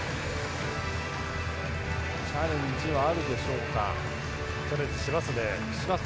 チャレンジはあるでしょうか。